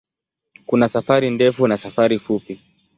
Kuna safari ndefu na safari fupi.